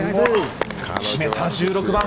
締めた１６番。